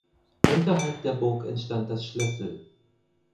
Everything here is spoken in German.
Unterhalb der Burg entstand das Schlössel.